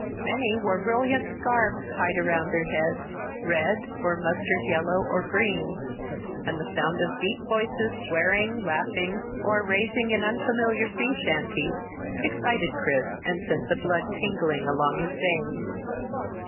Many wore brilliant scarves tied around their heads, red, or mustard yellow or green, and the sound of deep voices swearing, laughing, or rising in unfamiliar sea chanteys excited Chris and sent the blood tingling along his veins.